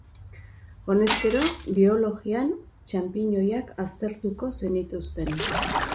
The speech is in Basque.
Honezkero, biologian txanpiñoiak aztertuko zenituzten.